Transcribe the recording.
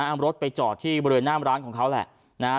เอารถไปจอดที่บริเวณหน้ามร้านของเขาแหละนะฮะ